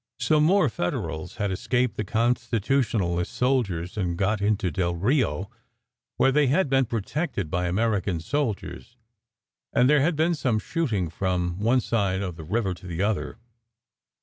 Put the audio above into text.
Some more Federals had escaped the Constitutionalist soldiers, and got into Del Rio, where they had been protected by American sol diers, and there had been some shooting from one side of the river to the other.